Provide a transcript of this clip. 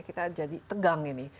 kita jadi tegang ini